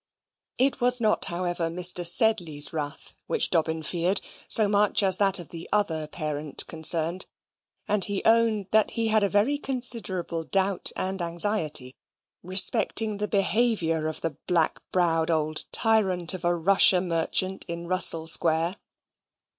It was not, however, Mr. Sedley's wrath which Dobbin feared, so much as that of the other parent concerned, and he owned that he had a very considerable doubt and anxiety respecting the behaviour of the black browed old tyrant of a Russia merchant in Russell Square.